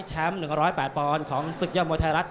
๑๐๘ปอนด์ของศึกยอดมวยไทยรัฐ